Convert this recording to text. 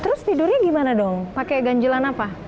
terus tidurnya gimana dong pakai ganjelan apa